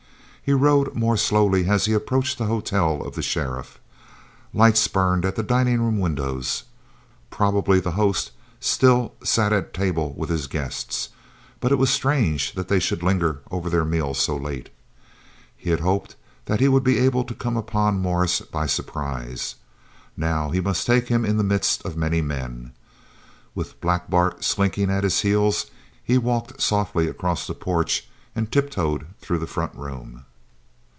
He rode more slowly as he approached the hotel of the sheriff. Lights burned at the dining room windows. Probably the host still sat at table with his guests, but it was strange that they should linger over their meal so late. He had hoped that he would be able to come upon Morris by surprise. Now he must take him in the midst of many men. With Black Bart slinking at his heels he walked softly across the porch and tiptoed through the front room.